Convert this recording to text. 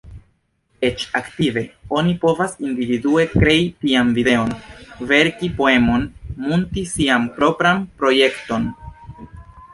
Eĉ aktive, oni povas individue krei tian videon, verki poemon, munti sian propran projekton.